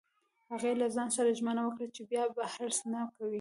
هغې له ځان سره ژمنه وکړه چې بیا به حرص نه کوي